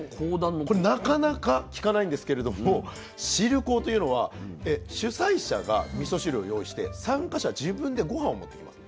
これなかなか聞かないんですけれども「汁講」というのは主催者がみそ汁を用意して参加者自分で御飯を持ってきます。